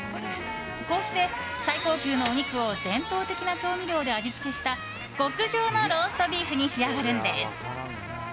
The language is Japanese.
こうして最高級のお肉を伝統的な調味料で味付けした極上のロ−ストビーフに仕上がるんです。